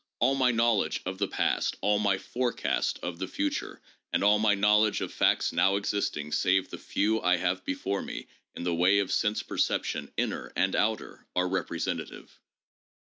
All my knowledge of the past, all my forecast of the future, and all my knowledge of facts now existing save the few I have before me in the way of sense per ception 'inner' and 'outer,' are representative.